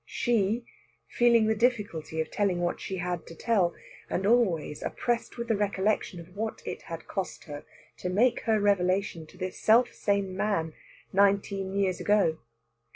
She, feeling the difficulty of telling what she had to tell, and always oppressed with the recollection of what it had cost her to make her revelation to this selfsame man nineteen years ago.